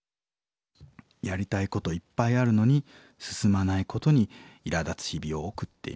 やりたいこといっぱいあるのに進まないことにいらだつ日々を送っています」。